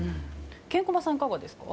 ケンコバさんはいかがですか？